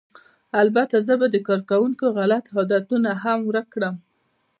البته زه به د کارکوونکو غلط عادتونه هم ورک کړم